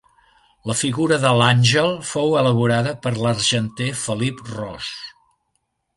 La figura de l'Àngel fou elaborada per l'argenter Felip Ros.